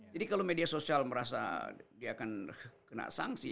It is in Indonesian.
jadi kalau media sosial merasa dia akan kena sanksi